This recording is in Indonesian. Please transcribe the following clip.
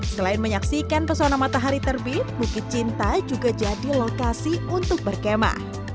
selain menyaksikan pesona matahari terbit bukit cinta juga jadi lokasi untuk berkemah